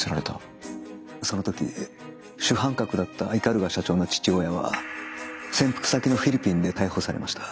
その時主犯格だった鵤社長の父親は潜伏先のフィリピンで逮捕されました。